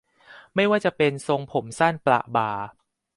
ไม่ว่าจะเป็นทรงผมสั้นประบ่า